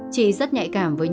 chị rất nhạy cảm với nhật linh